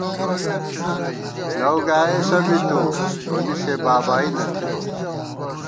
لَؤ گائېسہ بی تُو ، تونی سے بابائی نہ تھِبہ